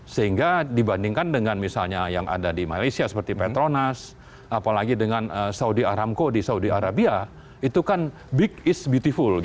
sehingga dibandingkan dengan misalnya yang ada di malaysia seperti petronas apalagi dengan saudi aramco di saudi arabia itu kan big is beautiful